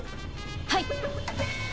はい。